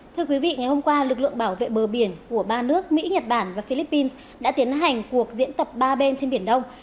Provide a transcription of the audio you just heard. thưa quý vị ngày hôm qua lực lượng bảo vệ bờ biển của ba nước mỹ nhật bản và philippines đã tiến hành cuộc diễn tập ba bên trên biển đông